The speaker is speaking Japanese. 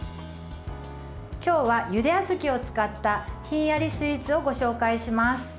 今日は、ゆであずきを使ったひんやりスイーツをご紹介します。